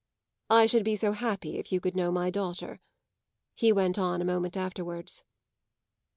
"I should be so happy if you could know my daughter," he went on a moment afterwards.